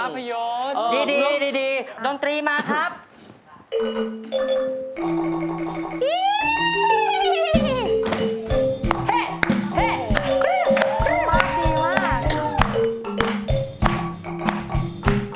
ปิดชีพตัวเองฉะนั้น